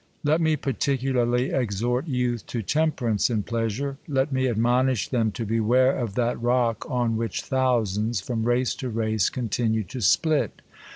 LET me particularly exhort youth to temperance in pleasure. Let me admonish them, to beware of that rock on which thousands, from race to race, continue to split.